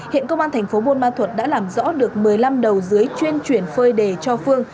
hiện công an thành phố buôn ma thuật đã làm rõ được một mươi năm đầu dưới chuyên chuyển phơi đề cho phương